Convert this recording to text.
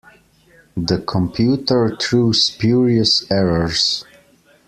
The computer threw spurious errors.